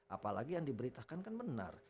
apalagi yang diberitakan kan benar